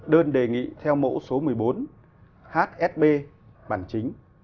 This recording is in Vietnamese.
đơn đề nghị theo mẫu số một mươi bốn hsb bản chính